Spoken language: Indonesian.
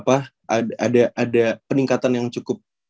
ada peningkatan yang cukup